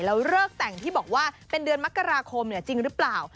แล้วเลิกแต่งที่บอกว่าเป็นเดือนมกราคมจริงหรือเปล่า